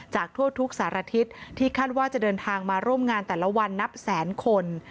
ทั่วทุกสารทิศที่คาดว่าจะเดินทางมาร่วมงานแต่ละวันนับแสนคน